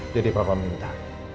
jadi papa minta